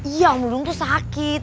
iya om ludung tuh sakit